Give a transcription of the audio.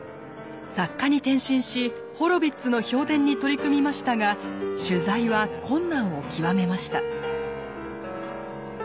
作家に転身しホロヴィッツの評伝に取り組みましたが取材は困難を極めました。